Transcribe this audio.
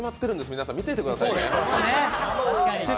皆さん、見といてください。